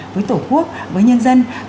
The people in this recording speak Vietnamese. với tổ quốc với nhân dân